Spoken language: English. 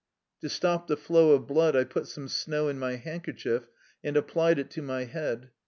To stop the flow of blood, I put some snow in my handkerchief and applied it to my head.